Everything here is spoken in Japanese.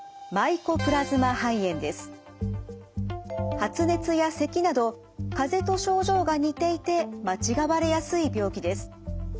発熱やせきなどかぜと症状が似ていて間違われやすい病気です。